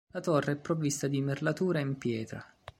La torre è provvista di merlatura in pietra.